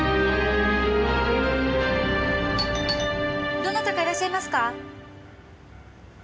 どなたかいらっしゃいますか？